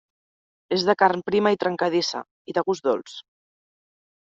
És de carn prima i trencadissa, i de gust dolç.